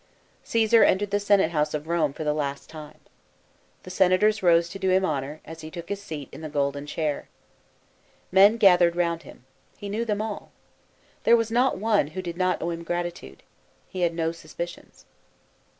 Caesar entered the senate house of Rome for the last time. The senators rose to do him honour, as he took his seat, in the golden chair. Men gathered round him. He knew them all. There was not one, who did not owe him gratitude. He had no suspicions.